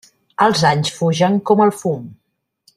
Els anys fugen com el fum.